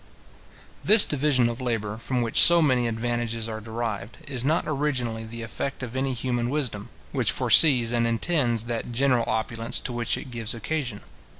This division of labour, from which so many advantages are derived, is not originally the effect of any human wisdom, which foresees and intends that general opulence to which it gives occasion.